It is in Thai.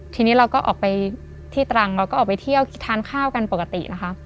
ทีนี้เราก็ออกไปที่ตรังเราก็ออกไปเที่ยวทานข้าวกันปกตินะคะ